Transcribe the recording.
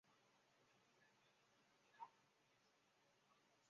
细裂复叶耳蕨为鳞毛蕨科复叶耳蕨属下的一个种。